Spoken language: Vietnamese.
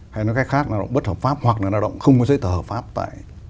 hay nói cách khác là lao động bất hợp pháp hoặc là lao động không có giấy tờ hợp pháp tại